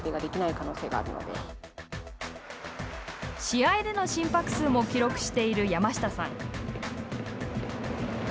試合での心拍数も記録している山下さん。